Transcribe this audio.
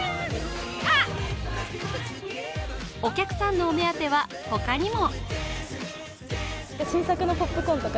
お客さんのお目当ては他にも。